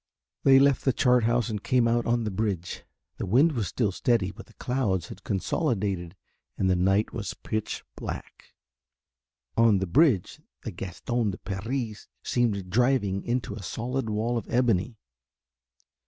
They left the chart house and came out on the bridge. The wind was still steady but the clouds had consolidated and the night was pitch black. On the bridge the Gaston de Paris seemed driving into a solid wall of ebony.